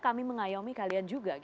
kami mengayomi kalian juga